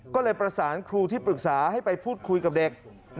ก็เลยประสานครูที่ปรึกษาให้ไปพูดคุยกับเด็ก